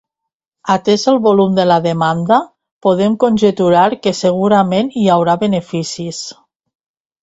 Atès el volum de la demanda, podem conjecturar que segurament hi haurà beneficis.